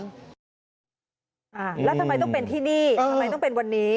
ทำไมต้องเป็นที่นี่ทำไมต้องเป็นวันนี้